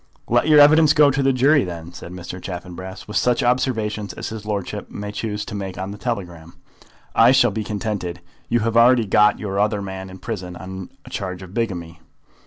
"Let your evidence go to the jury, then," said Mr. Chaffanbrass, "with such observations as his lordship may choose to make on the telegram. I shall be contented. You have already got your other man in prison on a charge of bigamy."